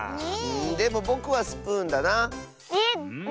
でもぼくはスプーンだな。